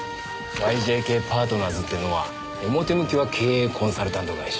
ＹＪＫパートナーズっていうのは表向きは経営コンサルタント会社。